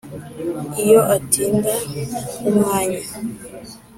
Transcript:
Iyo atinda nk'umwanya